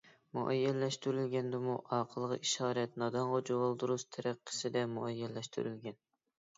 مۇئەييەنلەشتۈرۈلگەندىمۇ ئاقىلغا ئىشارەت نادانغا جۇۋالدۇرۇز تەرىقىسىدە مۇئەييەنلەشتۈرۈلگەن.